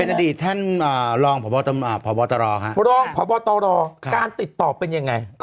อดีตท่านรองพบตรครับรองพบตรการติดต่อเป็นยังไง